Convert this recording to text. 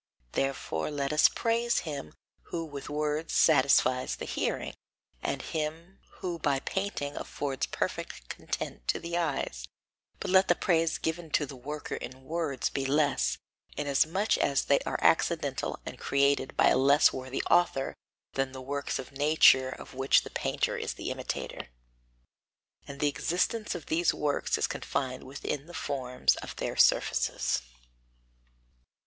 Therefore let us praise him who with words satisfies the hearing, and him who by painting affords perfect content to the eyes; but let the praise given to the worker in words be less, inasmuch as they are accidental and created by a less worthy author than the works of nature of which the painter is the imitator. And the existence of these works is confined within the forms of their surfaces.